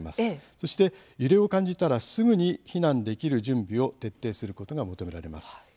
そして、揺れを感じたらすぐに避難できる準備を徹底することが求められます。